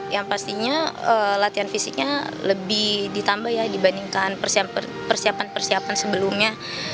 yang pastinya latihan fisiknya lebih ditambah ya dibandingkan persiapan persiapan sebelumnya